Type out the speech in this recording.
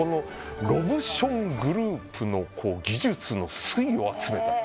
ロブショングループの技術の粋を集めた。